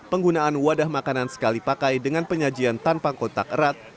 penggunaan wadah makanan sekali pakai dengan penyajian tanpa kontak erat